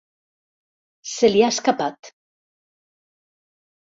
Se li ha escapat.